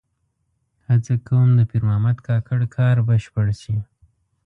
هڅه کوم د پیر محمد کاکړ کار بشپړ شي.